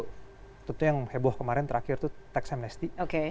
itu tuh yang heboh kemarin terakhir tuh tax and nesty